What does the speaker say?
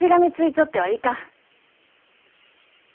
ちょってはいかん。